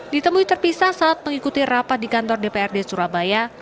ditemui terpisah saat mengikuti rapat di kantor dprd surabaya